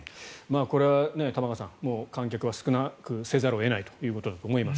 これは玉川さん観客は少なくせざるを得ないということだと思います。